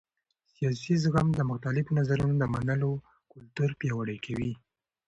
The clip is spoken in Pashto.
سیاسي زغم د مختلفو نظرونو د منلو کلتور پیاوړی کوي